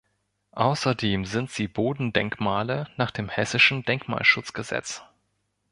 Außerdem sind sie Bodendenkmale nach dem Hessischen Denkmalschutzgesetz.